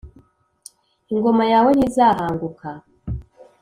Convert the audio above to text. Lngoma yawe ntizahanguka.